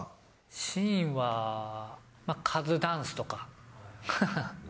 シーンは、カズダンスとか。